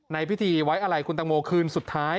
ในพิธีไว้อะไรคุณตังโมคืนสุดท้าย